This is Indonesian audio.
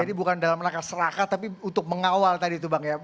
jadi bukan dalam langkah serakat tapi untuk mengawal tadi itu bang ya